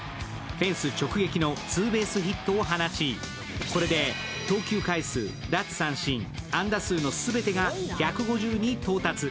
フェンス直撃のツーベースヒットを放ち、これで投球回数、奪三振、安打数の全てが１５０に到達。